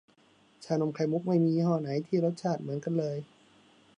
ชานมไข่มุกไม่มียี่ห้อไหนที่รสชาติเหมือนกันเลย